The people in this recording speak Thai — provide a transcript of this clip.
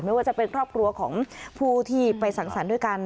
ไม่ว่าจะเป็นครอบครัวของผู้ที่ไปสังสรรค์ด้วยกัน